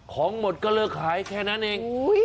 ของหมดก็เลิกขายแค่นั้นเอง